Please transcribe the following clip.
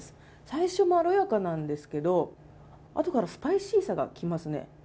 最初、まろやかなんですけどあとからスパイシーさがきますね。